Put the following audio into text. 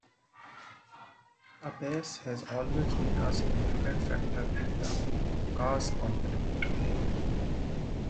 The base has always been a significant factor in the Abkhaz conflict.